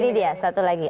ini dia satu lagi